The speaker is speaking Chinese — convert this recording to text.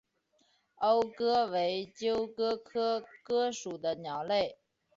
欧鸽为鸠鸽科鸽属的鸟类。